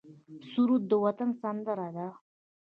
سرود د وطن سندره ده